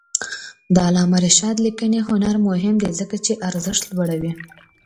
د علامه رشاد لیکنی هنر مهم دی ځکه چې ارزښت لوړوي.